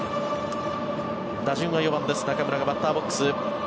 打順は４番です中村がバッターボックス。